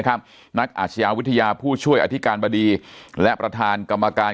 นักอาชญาวิทยาผู้ช่วยอธิการบดีและประธานกรรมการ